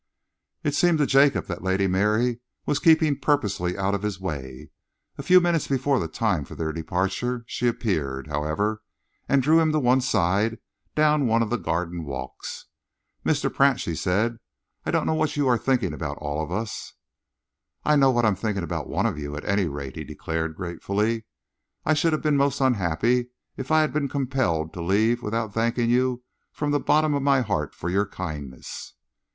It seemed to Jacob that Lady Mary was keeping purposely out of his way. At a few minutes before the time for their departure, she appeared, however, and drew him to one side down one of the garden walks. "Mr. Pratt," she said, "I don't know what you're thinking of all of us." "I know what I'm thinking about one of you, at any rate," he declared gratefully. "I should have been most unhappy if I had been compelled to leave without thanking you from the bottom of my heart for your kindness."